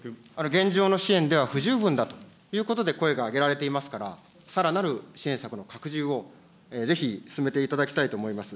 現状の支援では不十分だということで声が上げられていますから、さらなる支援策の拡充をぜひ進めていただきたいと思います。